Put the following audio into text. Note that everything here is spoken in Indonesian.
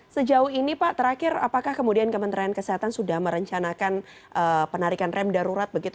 sejauh ini pak terakhir apakah kemudian kementerian kesehatan sudah merencanakan penarikan rem darurat begitu